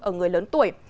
ở người lớn tuổi